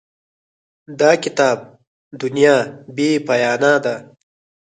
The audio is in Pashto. د کتاب دنیا بې پایانه ده.